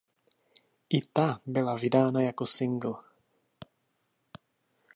I ta byla vydána jako singl.